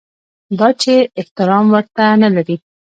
یا دا چې احترام نه ورته لري.